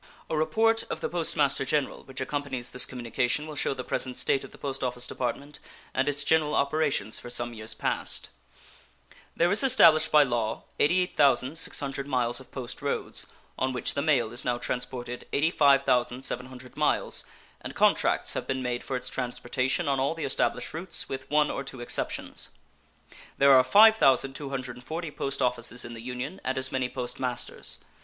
A report of the Post Master General, which accompanies this communication, will shew the present state of the Post Office Department and its general operations for some years past. There is established by law 88,600 miles of post roads, on which the mail is now transported 85,700 miles, and contracts have been made for its transportation on all the established routes, with one or two exceptions. There are 5,240 post offices in the Union, and as many post masters.